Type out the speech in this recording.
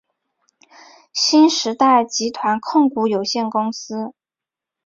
新时代集团控股有限公司。